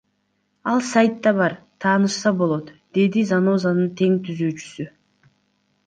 Ал сайтта бар, таанышса болот, — деди Занозанын тең түзүүчүсү.